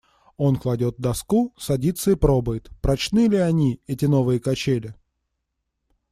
Он кладет доску, садится и пробует, прочны ли они, эти новые качели.